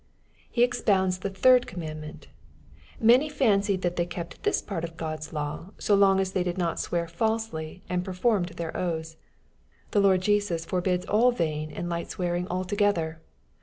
He expounds the third commandment. Many fancied that they kept this part of God's law, so long as they did not swear falsely, and performed their oaths. The Lord Jesus forbids all vain and light swearing altogether.